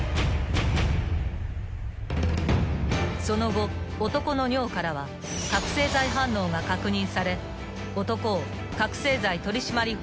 ［その後男の尿からは覚醒剤反応が確認され］